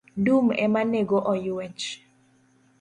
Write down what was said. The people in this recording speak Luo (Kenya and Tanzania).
Dum ema nego oyuech.